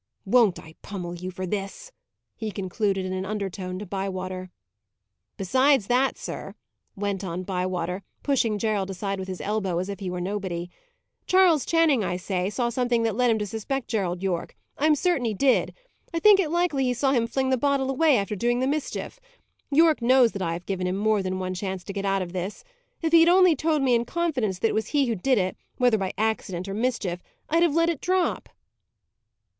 Won't I pummel you for this!" he concluded, in an undertone, to Bywater. "Besides that, sir," went on Bywater, pushing Gerald aside with his elbow, as if he were nobody: "Charles Channing, I say, saw something that led him to suspect Gerald Yorke. I am certain he did. I think it likely that he saw him fling the bottle away, after doing the mischief. Yorke knows that I have given him more than one chance to get out of this. If he had only told me in confidence that it was he who did it, whether by accident or mischief, I'd have let it drop."